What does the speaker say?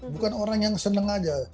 bukan orang yang seneng saja